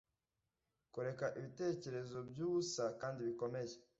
Kureka ibitekerezo byubusa kandi bikomeye